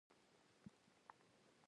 آیا د ایران راتلونکی هیله بښونکی نه دی؟